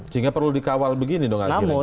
sehingga perlu dikawal begini dong